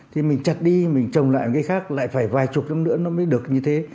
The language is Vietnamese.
thì mình chặt đi mình trồng lại cái khác lại phải vài chục năm nữa nó mới được như thế